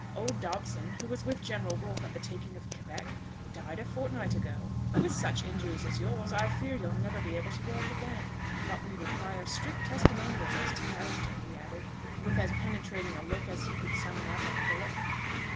Old Dobson, who was with General Wolfe at the taking of Quebec, died a fortnight ago. With such injuries as yours, I fear you'll never be able to work again. But we require strict testimonials as to character,' he added, with as penetrating a look as he could summon up at Philip.